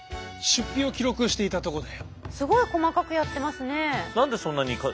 すごい細かくやってますね。